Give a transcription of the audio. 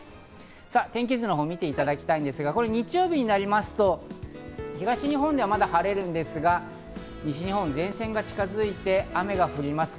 天気図を見ていただきたいんですが、日曜日になりますと、東日本ではまだ晴れるんですが、西日本、前線が近づいて、雨が降ります。